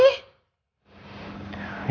oh hari itulah